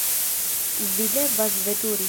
Vi devas veturi!